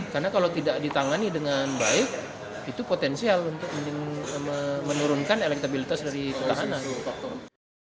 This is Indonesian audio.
karena kalau tidak ditangani dengan baik itu potensial untuk menurunkan elektabilitas dari ketahanan